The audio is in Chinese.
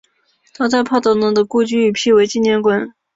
他在帕德龙的故居已辟为纪念馆。